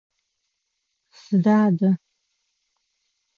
Сыда адэ?